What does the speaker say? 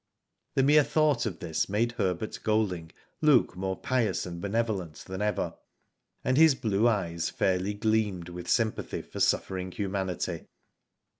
The mere thought of this made Herbert Golding look more pious and benevolent than ever, and his blue eyes fairly gleamed with sympathy for suffering humanity.